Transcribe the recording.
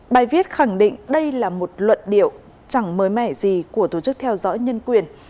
bài viết khẳng định đây là một luận điệu chẳng mới mẻ gì của tổ chức theo dõi nhân quyền